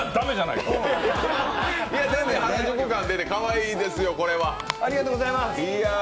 いや、全然原宿感出て、かわいいですよ、これは。